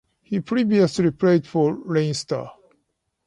He previously played for Leinster.